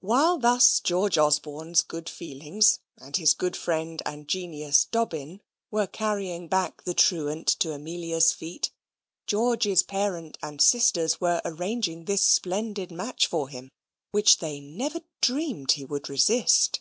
While thus George Osborne's good feelings, and his good friend and genius, Dobbin, were carrying back the truant to Amelia's feet, George's parent and sisters were arranging this splendid match for him, which they never dreamed he would resist.